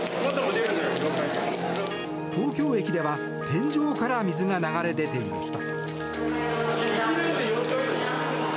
東京駅では天井から水が流れ出ていました。